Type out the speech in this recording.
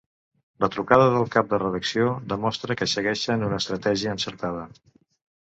La trucada del cap de redacció demostra que segueixen una estratègia encertada.